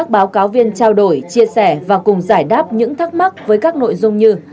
trao đổi chia sẻ và cùng giải đáp những thắc mắc với các nội dung như